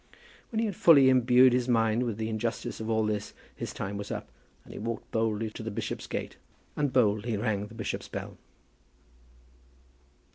When he had fully imbued his mind with the injustice of all this, his time was up, and he walked boldly to the bishop's gate, and boldly rang the bishop's bell.